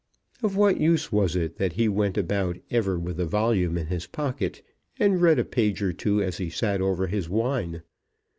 Of what use was it that he went about ever with a volume in his pocket, and read a page or two as he sat over his wine?